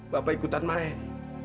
bapak ikutan main